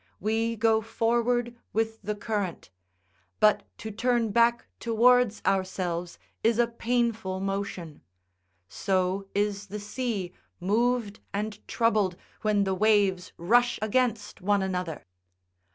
We go forward with the current, but to turn back towards ourselves is a painful motion; so is the sea moved and troubled when the waves rush against one another.